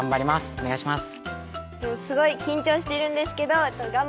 お願いします！